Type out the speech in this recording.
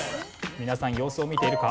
皆さん様子を見ているか？